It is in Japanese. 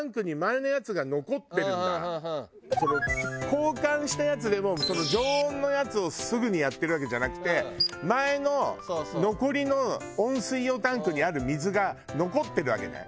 交換したやつでも常温のやつをすぐにやってるわけじゃなくて前の残りの温水用タンクにある水が残ってるわけね。